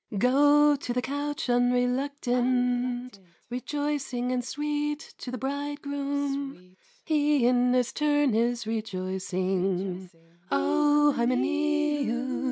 Go to the couch unreluctant, Rejoicing and sweet to the bridegroom; He in his turn is rejoicing, O Hymenæus!